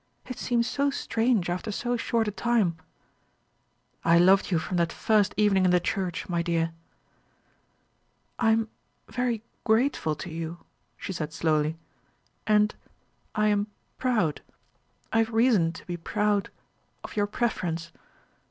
"It seems so strange after so short a time." "I loved you from that first evening in the church, my dear." "I am very grateful to you," she said slowly, "and I am proud I have reason to be proud of your preference.